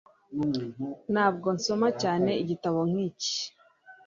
Ntabwo nsoma cyane igitabo nk'iki